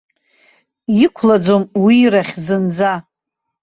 Иқәлаӡом уирахь зынӡа.